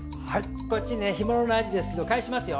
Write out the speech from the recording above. こっちね干物のアジですけど返しますよ。